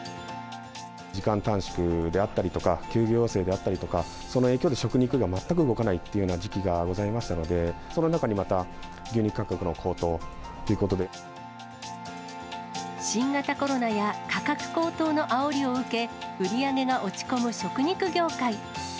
時間短縮であったりとか、休業要請であったりとか、その影響で食肉が全く動かないというような時期がございましたので、その中にまた、新型コロナや価格高騰のあおりを受け、売り上げが落ち込む食肉業界。